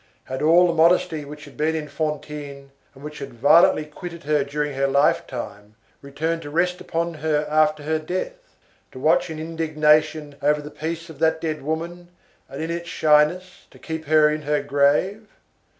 Had all the modesty which had been in Fantine, and which had violently quitted her during her lifetime, returned to rest upon her after her death, to watch in indignation over the peace of that dead woman, and in its shyness, to keep her in her grave?